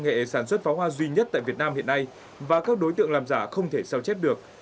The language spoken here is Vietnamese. nghệ sản xuất pháo hoa duy nhất tại việt nam hiện nay và các đối tượng làm giả không thể sao chép được